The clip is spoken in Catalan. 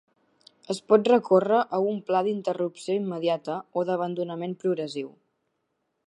Es pot recórrer a un pla "d'interrupció immediata" o "d'abandonament progressiu".